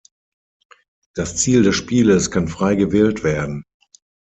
Das Ziel des Spieles kann frei gewählt werden.